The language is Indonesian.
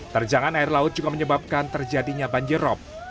terjangan air laut juga menyebabkan terjadinya banjirop